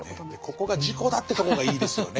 ここが自己だってとこがいいですよね。